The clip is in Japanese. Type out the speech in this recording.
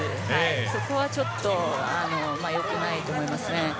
そこはちょっと良くないと思いますね。